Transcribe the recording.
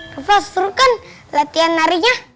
rufa seru kan latihan narinya